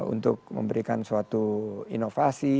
untuk memberikan suatu inovasi